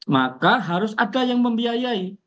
maka harus ada yang membiayai